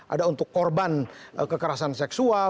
ada untuk korban kekerasan seksual